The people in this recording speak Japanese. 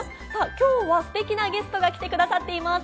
今日はステキなゲストが来てくださっています。